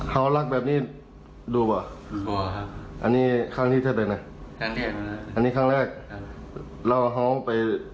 เห็นนะครับยังเก่งไหมใช่นะครับ